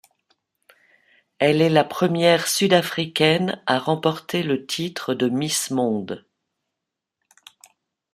Elle est la première sud-africaine à remporter le titre de Miss Monde.